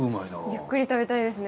ゆっくり食べたいですね